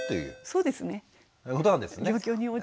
そうですね。